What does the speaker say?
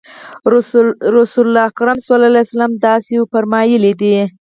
رسول اکرم صلی الله علیه وسلم داسې فرمایلي دي.